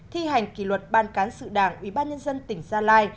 thi hành kỳ luật ban cán sự đảng ubnd tỉnh gia lai